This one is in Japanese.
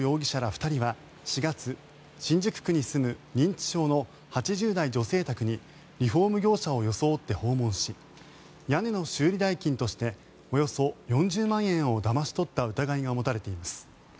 ２人は４月新宿区に住む認知症の８０代女性宅にリフォーム業者を装って訪問し屋根の修理代金としておよそ４０万円をだまし取った疑いが持たれています。